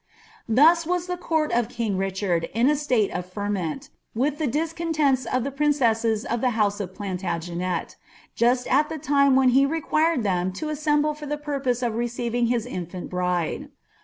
' Thus was the court of king Rtdk ard in a state of ferment, wiih the discontents of the princeMea nf A) house of Plaitiagenet, just ai the tune when he required tii^m to asMm ble for the purpose of receiving his infant bride.